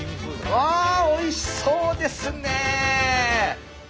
ああおいしそうですね！